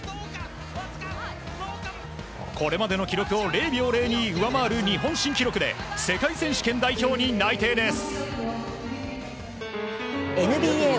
これまでの記録を０秒０２上回る日本新記録で世界選手権代表に内定です。